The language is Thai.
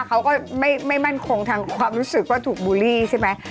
เขาก็ไม่มั่นคงทางความรู้สึกว่าถูกบูลลี่ใช่ไหม